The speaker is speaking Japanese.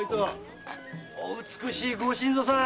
お美しいご新造さん！